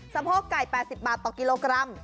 โพกไก่๘๐บาทต่อกิโลกรัม